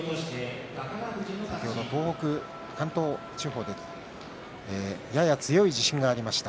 先ほど東北、関東地方でやや強い地震がありました。